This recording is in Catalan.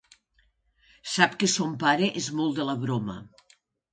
Sap que son pare és molt de la broma.